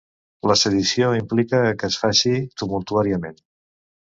La sedició implica que es faci ‘tumultuàriament’.